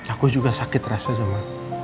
aku juga sakit rasa sama